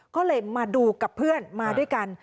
ก็เลยมาดูกับเพื่อนมาด้วยกัน